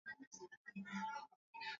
Uganda ni mbali sana.